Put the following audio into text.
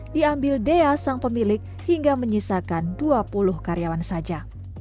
diambil dea sang pemilik hingga menyisakan dua puluh karyawan saja